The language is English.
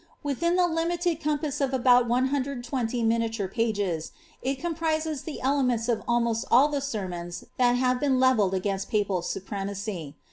Within the limited com pass of about 120 miniature pages, it comprises the elements of almost all tlie sermons that have been levelled against ])apal supremacy.